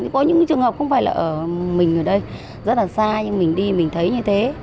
có những trường hợp không phải là ở mình ở đây rất là xa nhưng mình đi mình thấy như thế